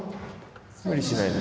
無理しないで。